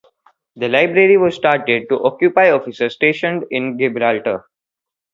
The library was started to occupy officers stationed in Gibraltar.